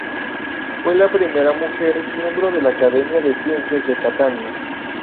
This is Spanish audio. Fue la primera mujer miembro de la Academia de Ciencias de Catania.